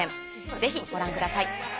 ぜひご覧ください。